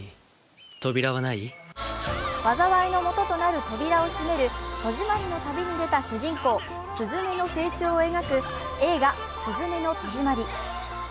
災いの元となる扉を閉める戸締まりの旅に出た主人公鈴芽の成長を描く映画「すずめの戸締まり」。